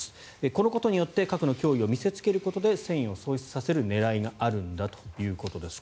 このことによって核の脅威を見せつけることで戦意を喪失させる狙いがあるんだということです。